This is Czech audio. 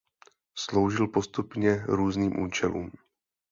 Sloužil postupně různým účelům.